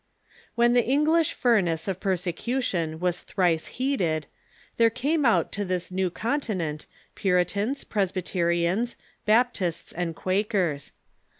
When the English furnace of persecution was thrice heated, there came out to this new continent Puritans, Presbyterians, Baptists, and Quakers.